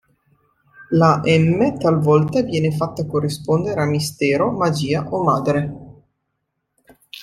La M talvolta viene fatta corrispondere a Mistero, Magia o Madre.